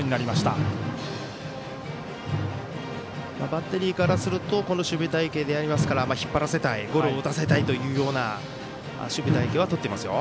バッテリーからするとこの守備隊形なので引っ張らせたいゴロを打たせたいという守備隊形はとっていますよ。